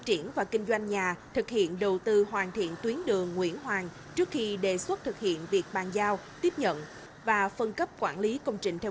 xin kính chào quý vị và các bạn cùng đến với trường quay phía nam